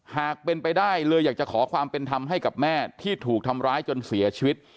หากเป็นไปได้เลยอยากจะขอความเป็นธรรมให้กับแม่ที่ถูกทำร้ายจนเสียชีวิต